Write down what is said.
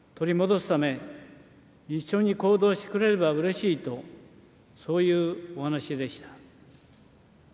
北朝鮮が拉致した日本人を取り戻すため、一緒に行動してくれればうれしいと、そういうお話でした。